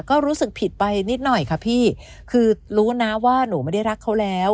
ก็รู้สึกผิดไปนิดหน่อยค่ะพี่คือรู้นะว่าหนูไม่ได้รักเขาแล้ว